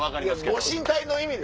ご神体の意味で。